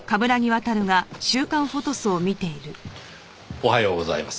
おはようございます。